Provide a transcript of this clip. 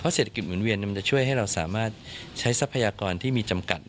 เศรษฐกิจหมุนเวียนมันจะช่วยให้เราสามารถใช้ทรัพยากรที่มีจำกัด